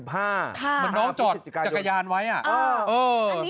เหมือนน้องจอดจักรยานไว้อ่ะ